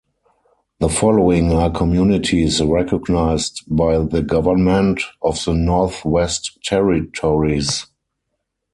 The following are communities recognised by the Government of the Northwest Territories.